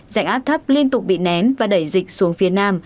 dạnh áp thấp liên tục bị nén và đẩy dịch xuống phía nam